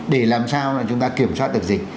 để làm sao là chúng ta kiểm soát được dịch